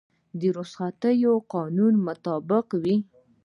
رخصتي د قانون مطابق وي